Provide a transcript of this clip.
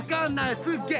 すっげえ